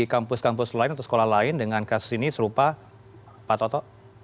kampus kampus lain atau sekolah lain dengan kasus ini serupa pak toto